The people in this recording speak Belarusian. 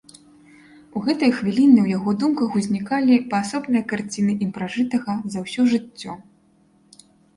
У гэтыя хвіліны ў яго думках узнікалі паасобныя карціны ім пражытага за ўсё жыццё.